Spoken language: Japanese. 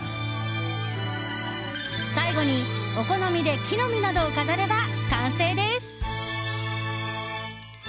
最後に、お好みで木の実などを飾れば完成です。